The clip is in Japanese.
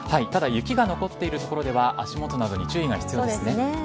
ただ、雪が残っている所では足元などに注意が必要ですね。